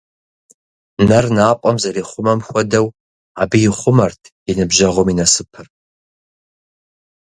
Нэр напӏэм зэрихъумэм хуэдэу, абы ихъумэрт и ныбжьэгъум и насыпыр.